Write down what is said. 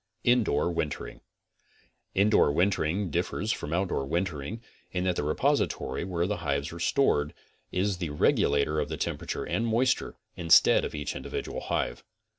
INDOOR WINTERING Indoor wintering differs from outdoor wintering in that the repository where the hives are stored is the regulator of the temperature and moisture, instead of each individual hive.